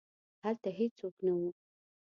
هلته هیڅوک نه وو.